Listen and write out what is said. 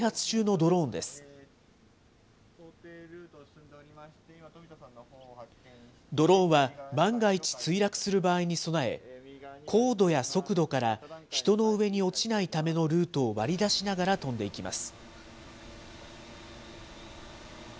ドローンは、万が一墜落する場合に備え、高度や速度から人の上に落ちないためのルートを割り出しながら飛んでいきます。